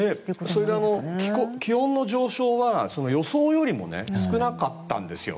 それで、気温の上昇は予想よりも少なかったんですよ。